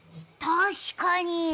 確かに！